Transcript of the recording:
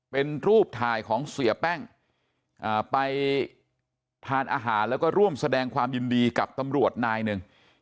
เป็นรูปถ่ายของเสียแป้งไปทานอาหารแล้วก็ร่วมแสดงความยินดีกับตำรวจนายหนึ่ง